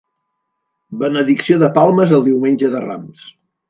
Benedicció de palmes el Diumenge de Rams.